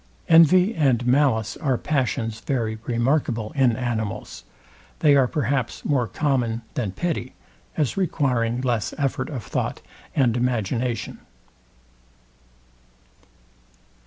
Envy and malice are passions very remarkable in animals. They are perhaps more common than pity; as requiring less effort of thought and imagination.